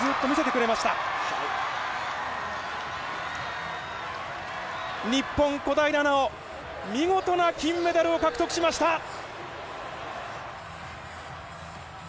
見事な金メダルを獲得しました。